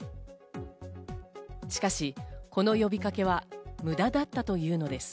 しかし、この呼びかけは無駄だったというのです。